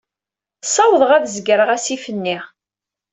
Ssawḍeɣ ad zegreɣ asif-nni.